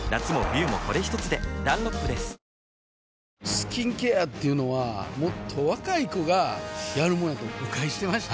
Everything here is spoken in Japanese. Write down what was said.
スキンケアっていうのはもっと若い子がやるもんやと誤解してました